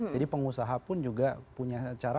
jadi pengusaha pun juga punya cara